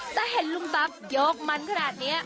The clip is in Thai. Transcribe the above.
แต่เห็นลุงตั๊บโยกมันขนาดนี้